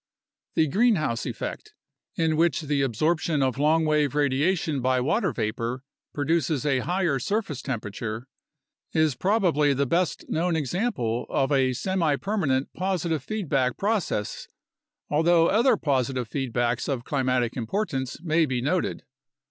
The greenhouse effect (in which the absorption of long wave radiation by water vapor produces a higher surface temperature), is probably the best known example of a semipermanent positive feedback process, al though other positive feedbacks of climatic importance may be noted.